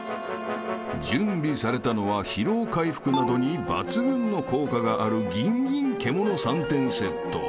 ［準備されたのは疲労回復などに抜群の効果があるギンギン獣３点セット］